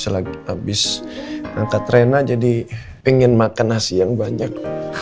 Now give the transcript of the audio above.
setelah abis angkat renah jadi pengen makan nasi yang banyak